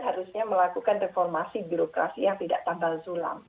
harusnya melakukan reformasi birokrasi yang tidak tambah zulam